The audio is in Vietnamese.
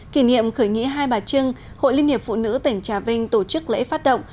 kỷ niệm khởi nghĩa hai bà trưng hội liên hiệp phụ nữ tỉnh trà vinh tổ chức lễ phát động